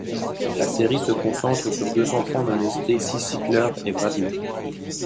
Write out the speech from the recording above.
La série se concentre sur deux enfants nommés Stacy Stickler et Bradley.